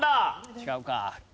違うか。